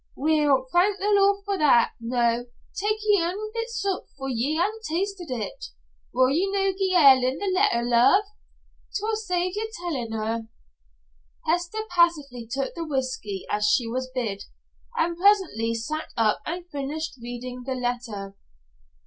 Weel, thank the Lord for that. Noo, tak ye anither bit sup, for ye ha'e na tasted it. Wull ye no gie Ellen the letter, love? 'Twill save ye tellin' her." Hester passively took the whisky as she was bid, and presently sat up and finished reading the letter.